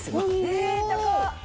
え高っ。